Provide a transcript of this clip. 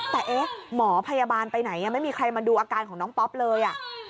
แต่เอ๊ะหมอพยาบาลไปไหนไม่มีใครมาดูอาการของน้องป๊อปเลย